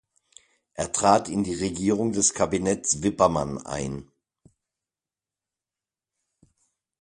Er trat in die Regierung des Kabinetts Wippermann ein.